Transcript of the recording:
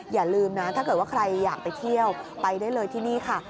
อย่าลืมนะถ้าเกิดว่าใครอยากไปเที่ยวไปได้เลยที่นี่ค่ะ